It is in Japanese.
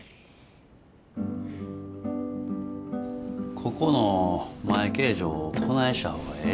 ここの前形状をこないした方がええと思うんです。